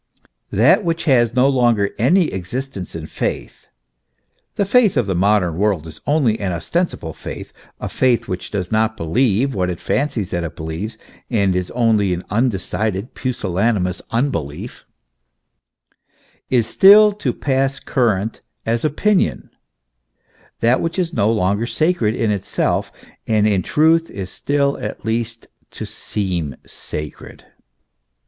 That which has no longer any existence in faith (the faith of the modern world is only an ostensible faith, a faith which does not believe what it fancies that it believes, and is only an undecided, pusillani mous unbelief ) is still to pass current as opinion : that which is no longer sacred in itself and in truth, is still at least to seem sacred.